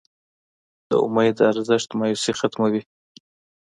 د امید ارزښت مایوسي ختموي.